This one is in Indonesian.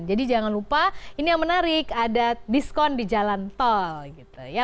jadi jangan lupa ini yang menarik ada diskon di jalan tol gitu ya